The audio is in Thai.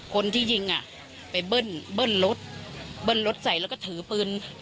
คนที่ยิงอ่ะไปเบิ้ลเบิ้ลรถเบิ้ลรถใส่แล้วก็ถือปืน